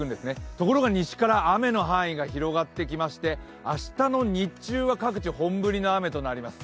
ところが、西から雨の範囲が広がってきまして明日の日中は各地、本降りの雨となります。